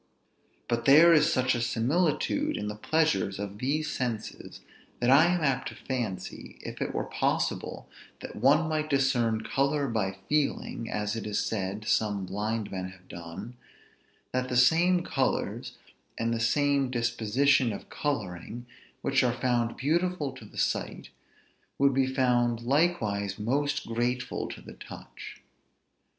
But there is such a similitude in the pleasures of these senses, that I am apt to fancy, if it were possible that one might discern color by feeling (as it is said some blind men have done) that the same colors, and the same disposition of coloring, which are found beautiful to the sight, would be found likewise most grateful to the touch.